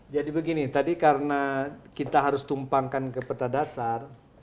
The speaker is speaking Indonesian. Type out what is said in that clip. jadi begini tadi karena kita harus tumpangkan ke peta dasar